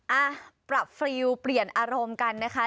อ่ะปรับฟรีลเปลี่ยนอารมณ์กันนะคะ